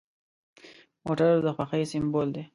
موټر د خوښۍ سمبول دی.